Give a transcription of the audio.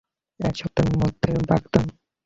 এক সপ্তাহের মধ্যে বাগদান।